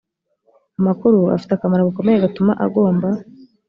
amakuru afite akamaro gakomeye gatuma agomba